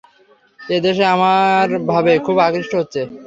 এই দেশ আমার ভাবে খুব আকৃষ্ট হচ্ছে।